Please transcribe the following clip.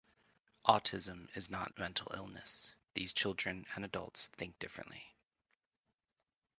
Autism is not mental illness, these children and adults think differently.